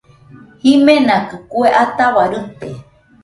Jimenakɨ kue ataua rite